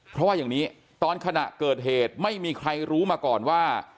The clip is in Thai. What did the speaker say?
เพราะว่าอย่างนี้ตอนขณะเกิดเหตุไม่มีใครรู้มาก่อนว่า